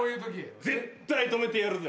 絶対止めてやるぜ。